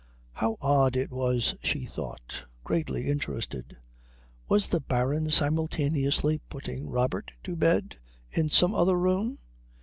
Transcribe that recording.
How odd it was, she thought, greatly interested. Was the Baron simultaneously putting Robert to bed in some other room?